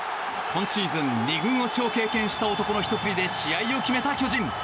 今シーズン２軍落ちを経験した男のひと振りで試合を決めた巨人。